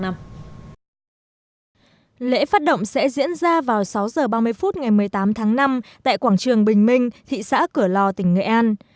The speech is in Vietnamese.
lễ phát động sẽ diễn ra vào sáu h ba mươi phút ngày một mươi tám tháng năm tại quảng trường bình minh thị xã cửa lò tỉnh nghệ an